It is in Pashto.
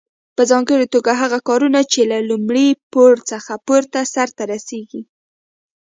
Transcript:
په ځانګړي توګه هغه کارونه چې له لومړي پوړ څخه پورته سرته رسیږي.